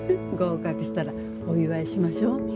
合格したらお祝いしましょう。